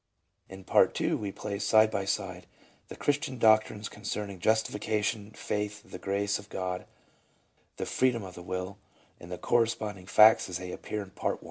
In Part II we place, side by side, the Christian doctrines concerning Justification, Faith, the Grace of God, the Freedom of the Will, and the corresponding facts as they appear in Part I.